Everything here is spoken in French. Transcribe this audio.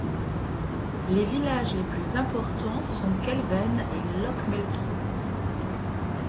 Les villages les plus importants sont Quelven et Locmeltro.